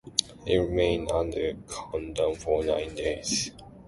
It remained on the countdown for nine days.